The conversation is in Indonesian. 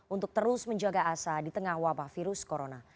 untuk terus menjaga asa di tengah wabah virus corona